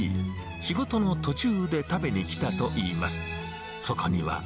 仕事の途中で食べに来たといいます。